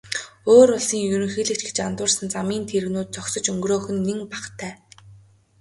Өөр улсын ерөнхийлөгч гэж андуурсан замын тэрэгнүүд зогсож өнгөрөөх нь нэн бахтай.